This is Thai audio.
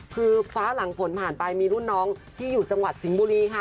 คือฟ้าหลังฝนผ่านไปมีรุ่นน้องที่อยู่จังหวัดสิงห์บุรีค่ะ